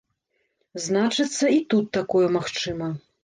Значыцца, і тут такое магчыма.